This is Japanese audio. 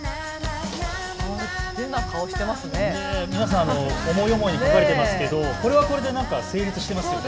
皆さん、思い思いに描かれていますけどこれはこれで成立していますね。